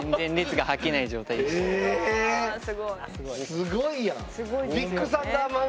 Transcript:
すごいやん！